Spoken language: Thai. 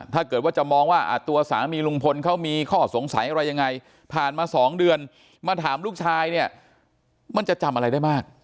ถ้าเกิดว่าจะมองว่าตัวสามีลุงพลเขามีข้อสงสัยอะไรยังไงผ่านมา๒เดือนมาถามลูกชายเนี่ยมันจะจำอะไรได้มาก